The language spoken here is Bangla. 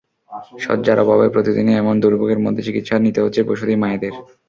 শয্যার অভাবে প্রতিদিনই এমন দুর্ভোগের মধ্যে চিকিৎসা নিতে হচ্ছে প্রসূতি মায়েদের।